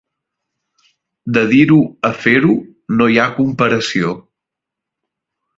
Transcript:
De dir-ho a fer-ho, no hi ha comparació.